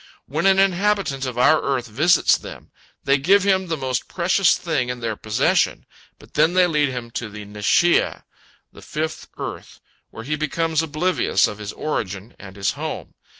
When an inhabitant of our earth visits them, they give him the most precious thing in their possession, but then they lead him to the Neshiah, the fifth earth, where he becomes oblivious of his origin and his home.